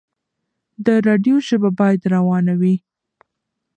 د راډيو ژبه بايد روانه وي.